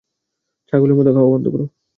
ছাগলের মত খাওয়া বন্ধ কর!